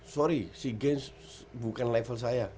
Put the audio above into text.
sorry si gens bukan level saya